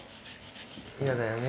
嫌だよね。